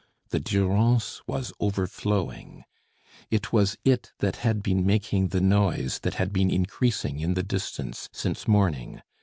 The Durance was overflowing. It was it that had been making the noise, that had been increasing in the distance since morning.